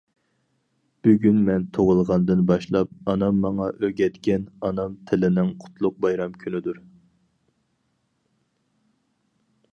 بۈگۈن مەن تۇغۇلغاندىن باشلاپ ئانام ماڭا ئۆگەتكەن ئانام تىلنىڭ قۇتلۇق بايرام كۈنىدۇر!